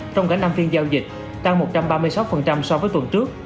trong cả năm phiên giao dịch tăng một trăm ba mươi sáu so với tuần trước